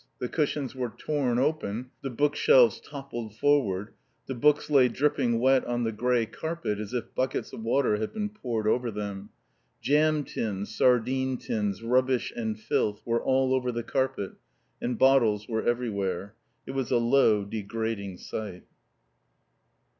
The cushions were torn open, the bookshelves toppled forward, the books lay dripping wet on the grey carpet as if buckets of water had been poured over them. Jam tins, sardine tins, rubbish and filth were all over the carpet, and bottles were everywhere. It was a low, degrading sight.